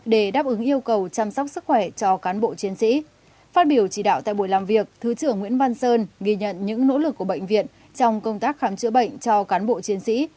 để đáp ứng yêu cầu chăm sóc sức khỏe cho cán bộ chiến sĩ phát biểu chỉ đạo tại buổi làm việc thứ trưởng nguyễn văn sơn ghi nhận những nỗ lực của bệnh viện trong công tác khám chữa bệnh cho cán bộ chiến sĩ